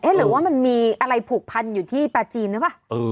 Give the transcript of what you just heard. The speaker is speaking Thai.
เอ๊ะเหลือว่ามันมีอะไรผูกพันอยู่ที่ปลาจีนถูกปะ